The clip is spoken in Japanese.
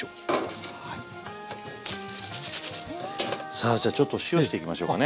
さあじゃあちょっと塩していきましょうかね。